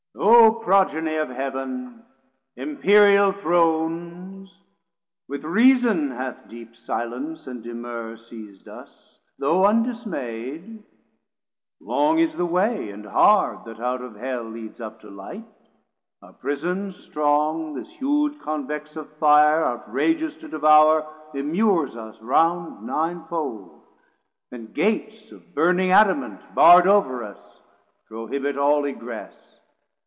O Progeny of Heav'n, Empyreal Thrones, 430 With reason hath deep silence and demurr Seis'd us, though undismaid: long is the way And hard, that out of Hell leads up to Light; Our prison strong, this huge convex of Fire, Outrageous to devour, immures us round Ninefold, and gates of burning Adamant Barr'd over us prohibit all egress.